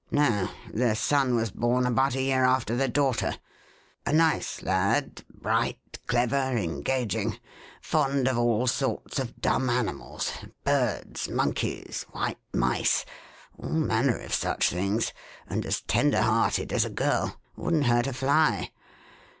"No. The son was born about a year after the daughter. A nice lad bright, clever, engaging; fond of all sorts of dumb animals birds, monkeys, white mice all manner of such things and as tender hearted as a girl. Wouldn't hurt a fly.